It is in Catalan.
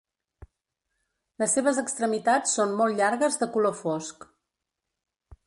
Les seves extremitats són molt llargues de color fosc.